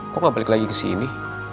kok gak balik lagi kesini